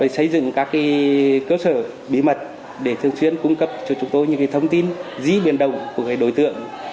xây dựng các cơ sở bí mật để thường xuyên cung cấp cho chúng tôi những thông tin dĩ biển động của đối tượng